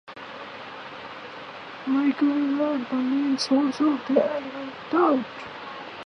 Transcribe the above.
Microbes are the main source of antimicrobial drugs.